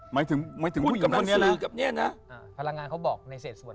หมายถึงพลังงานเขาบอกในเศษส่วน